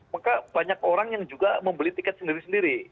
maka banyak orang yang juga membeli tiket sendiri sendiri